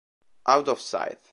Out of Sight